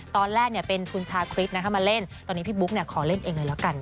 ตอนแรกเป็นคุณชาคริสมาเล่นตอนนี้พี่บุ๊กขอเล่นเองเลยแล้วกัน